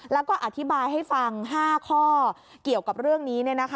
แล้วก็อธิบายให้ฟัง๕ข้อเกี่ยวกับเรื่องนี้